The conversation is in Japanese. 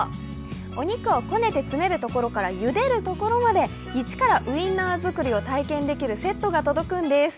お肉をこねて詰めるところから、ゆでるところまで一からウィンナー作りができるキットが届くんです。